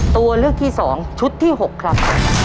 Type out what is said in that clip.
ตัวเลือกที่๒ชุดที่๖ครับ